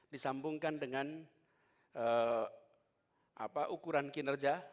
disambungkan dengan ukuran kinerja